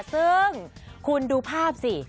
ซึ่งคุณดูภาพสิ